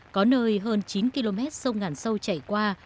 có nơi hơn chín km sông ngàn sâu chảy qua